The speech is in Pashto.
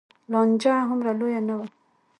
لانجه هومره لویه نه وه.